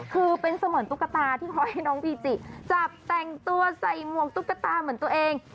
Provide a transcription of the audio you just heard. คือเป็นเสมือนตุ๊กตาที่คอยให้น้องบีจิจับแต่งตัวใส่หมวกตุ๊กตาเหมือนตัวเอง